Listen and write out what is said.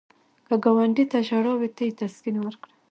که ګاونډي ته ژړا وي، ته یې تسکین ورکړه